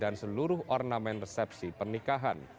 dan seluruh ornamen resepsi penikahan